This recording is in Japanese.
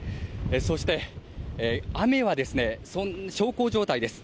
そして、雨は小康状態です。